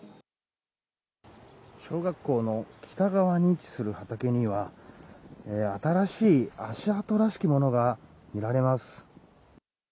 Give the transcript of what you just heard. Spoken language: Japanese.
小学校の北側に位置する畑には、新しい足跡らしきものが見られます。